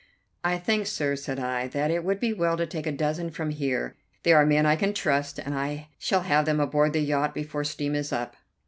"I think, sir," said I, "that it would be well to take a dozen from here. They are men I can trust, and I shall have them aboard the yacht before steam is up."